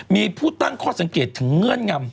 มีผู้ตั้งข้อสังเกตถึงเงื่อนงำ